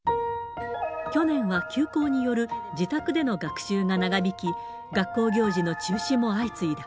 去年は休校による自宅での学習が長引き、学校行事の中止も相次いだ。